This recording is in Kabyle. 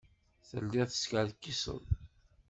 Telliḍ teskerkiseḍ.